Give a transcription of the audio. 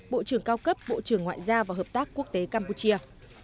bộ trưởng cao cấp bộ trưởng ngoại giao và hợp tác quốc tế campuchia